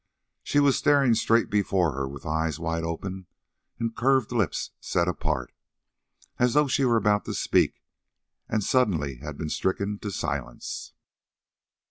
She was staring straight before her with eyes wide open and curved lips set apart, as though she were about to speak and suddenly had been stricken to silence.